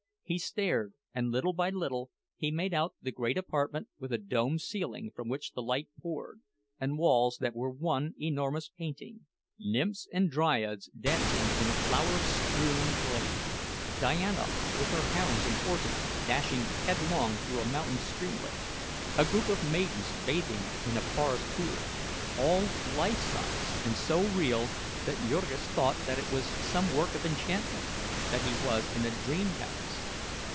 He stared; and little by little he made out the great apartment, with a domed ceiling from which the light poured, and walls that were one enormous painting—nymphs and dryads dancing in a flower strewn glade—Diana with her hounds and horses, dashing headlong through a mountain streamlet—a group of maidens bathing in a forest pool—all life size, and so real that Jurgis thought that it was some work of enchantment, that he was in a dream palace.